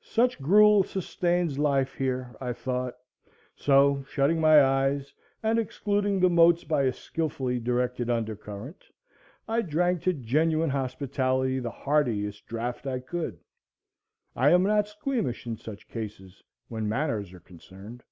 Such gruel sustains life here, I thought; so, shutting my eyes, and excluding the motes by a skilfully directed under current, I drank to genuine hospitality the heartiest draught I could. I am not squeamish in such cases when manners are concerned.